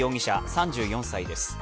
３４歳です。